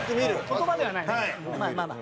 言葉ではないんだ。